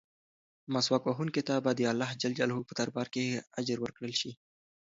مسواک وهونکي ته به د اللهﷻ په دربار کې اجر ورکړل شي.